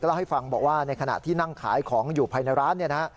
ก็เล่าให้ฟังบอกว่าในขณะที่นั่งขายของอยู่ภายในร้าน